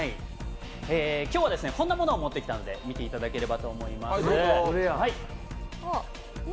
今日は、こんなものを持ってきたので、見ていただければと思います。